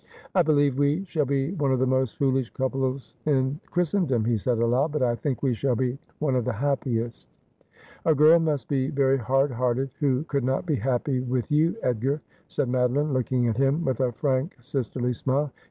I believe we shall be one of the most foolish couples in Christendom,' he said aloud ;' but I think we shall be one of the happiest.' ' A girl must be very hard hearted who could not be happy with you, Edgar,' said Madoline, looking at him with a frank sisterly smile.